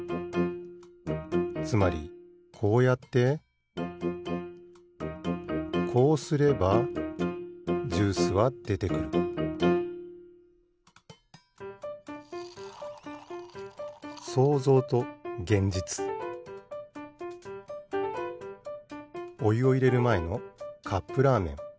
つまりこうやってこうすればジュースはでてくるおゆをいれるまえのカップラーメン。